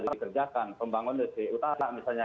dikerjakan pembangunan di utara misalnya